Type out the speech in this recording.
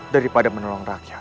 daripada menolong rakyat